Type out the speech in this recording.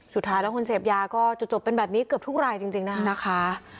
สุดท้ายแล้วคนเสพยาก็จุดจบเป็นแบบนี้เกือบทุกรายจริงนะคะ